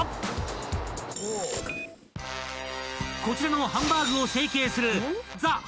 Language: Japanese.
［こちらのハンバーグを成形するザ★